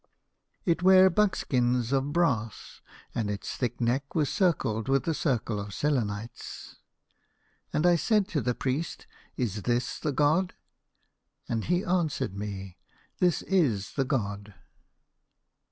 It ware buskins of brass, and its thick neck was circled with a circle of selenites. "And I said to the priest, 'Is this the god?' And he answered me, 'This is the god.